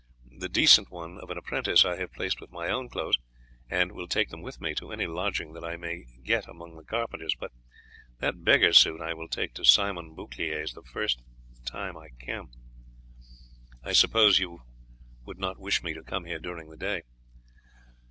"The decent one of an apprentice I have placed with my own clothes, and will take them with me to any lodging that I may get among the carpenters, but that beggar suit I will take to Simon Bouclier's the next time I come. I suppose you would not wish me to come here during the day."